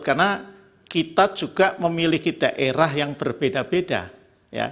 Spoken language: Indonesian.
karena kita juga memiliki daerah yang berbeda beda ya